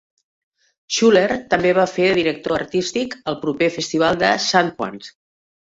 Schuller també va fer de director artístic al proper festival de Sandpoint.